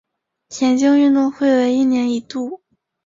田径运动会为一年一度。